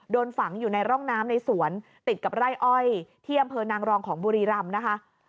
โดนฝังอยู่ในร่องน้ำในสวนติดกับไร่อ้อยที่อำเภอนางรองของบุรีรำนะคะ